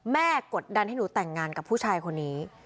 กดดันให้หนูแต่งงานกับผู้ชายคนนี้